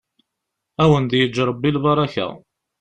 Ad awen-d-yeǧǧ ṛebbi lbaṛaka.